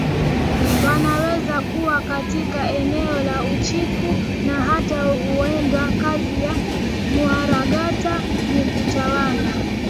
wanaweza kuwa katika eneo la Uchifu na hata Undewa Kazi ya Muharatwaga ni kutawala